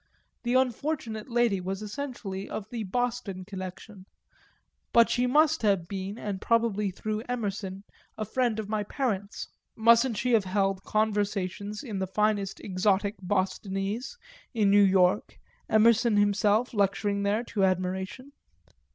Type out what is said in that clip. The unfortunate lady was essentially of the Boston connection; but she must have been, and probably through Emerson, a friend of my parents mustn't she have held "conversations," in the finest exotic Bostonese, in New York, Emerson himself lecturing there to admiration?